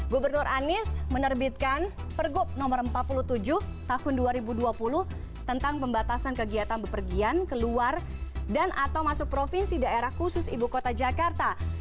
gubernur anies menerbitkan pergub no empat puluh tujuh tahun dua ribu dua puluh tentang pembatasan kegiatan berpergian keluar dan atau masuk provinsi daerah khusus ibu kota jakarta